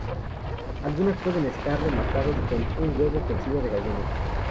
Algunas pueden estar rematados con un huevo cocido de gallina.